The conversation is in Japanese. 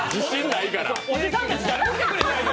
おじさんたち、誰も来てくれない。